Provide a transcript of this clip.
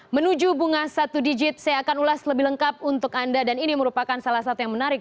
menuju bunga satu digit saya akan ulas lebih lengkap untuk anda dan ini merupakan salah satu yang menarik